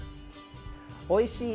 おいしい